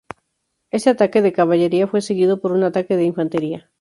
Este ataque de caballería fue seguido por un ataque de infantería.